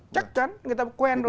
chắc chắn người ta quen rồi